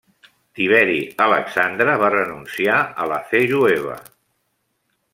Tiberi Alexandre va renunciar a la fe jueva.